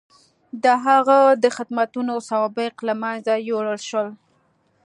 د هغه د خدمتونو سوابق له منځه یووړل شول.